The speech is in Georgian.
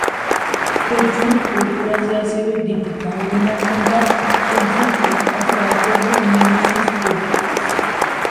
ბერძნულ კულტურაზე ასევე დიდი გავლენა ჰქონდა კუნძულ კრეტაზე არსებულ მინოსის კულტურას.